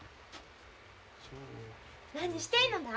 何してんのな？